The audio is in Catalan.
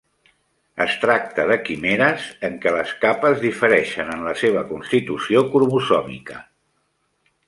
Es tracta de quimeres en què les capes difereixen en la seva constitució cromosòmica.